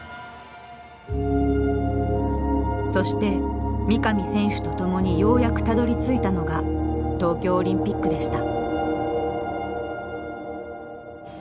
そして三上選手と共にようやくたどりついたのが東京オリンピックでした。